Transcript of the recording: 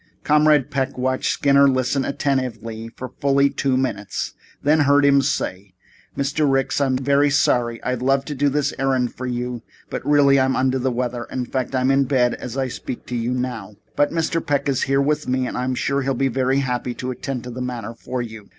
Comrade Peck watched Skinner listen attentively for fully two minutes, then heard him say: "Mr. Ricks, I'm terribly sorry. I'd love to do this errand for you, but really I'm under the weather. In fact, I'm in bed as I speak to you now. But Mr. Peck is here with me and I'm sure he'll be very happy to attend to the matter for you."